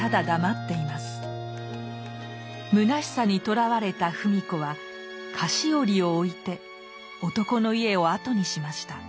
むなしさにとらわれた芙美子は菓子折を置いて男の家を後にしました。